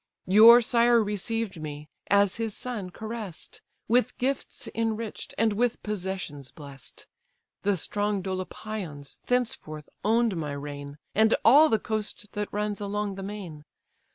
Your sire received me, as his son caress'd, With gifts enrich'd, and with possessions bless'd. The strong Dolopians thenceforth own'd my reign, And all the coast that runs along the main.